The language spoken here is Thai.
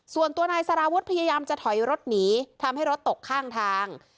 ส่วนตัวนายสารวุฒิพยายามจะถอยรถหนีทำให้รถตกข้างทาง